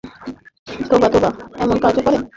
তােবা, তােবা, এমন কাজও করে!